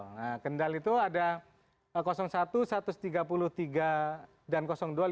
nah kendal itu ada satu satu ratus tiga puluh tiga dan dua